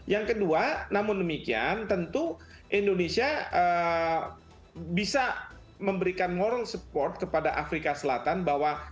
yang kedua namun demikian tentu indonesia bisa memberikan moral support kepada afrika selatan bahwa